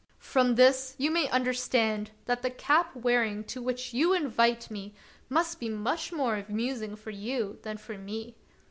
From this you may understand that the cap wearing to which you invite me must be much more amusing for you than for me.